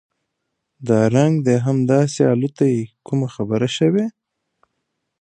دا رنګ د هم داسې الوتى کومه خبره شوې؟